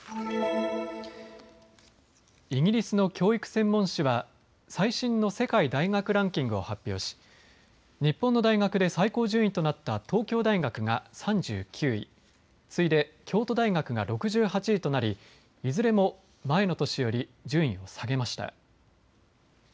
イギリスの教育専門誌は最新の世界大学ランキングを発表し、日本の大学で最高順位となった東京大学が３９位、次いで京都大学が６８位となりいずれも前の年より順位を下げました。